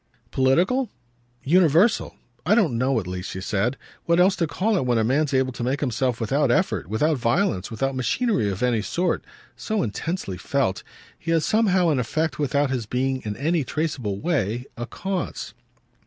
"Political?" "Universal. I don't know at least," she said, "what else to call it when a man's able to make himself without effort, without violence, without machinery of any sort, so intensely felt. He has somehow an effect without his being in any traceable way a cause."